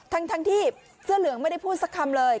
ทั้งที่เสื้อเหลืองไม่ได้พูดสักคำเลย